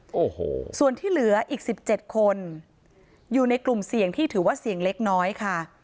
โอ้โหส่วนที่เหลืออีกสิบเจ็ดคนอยู่ในกลุ่มเสี่ยงที่ถือว่าเสี่ยงเล็กน้อยค่ะ